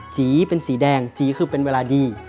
สีเป็นสีแดงจีคือเป็นเวลาดี